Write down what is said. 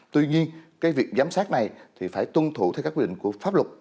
tuy nhiên cái việc giám sát này thì phải tuân thủ theo các quy định của pháp luật